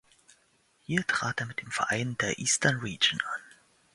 Hier trat er mit dem Verein in der Eastern Region an.